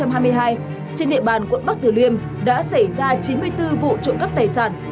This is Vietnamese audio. trên địa bàn quận bắc tử liêm đã xảy ra chín mươi bốn vụ trộm cắp tài sản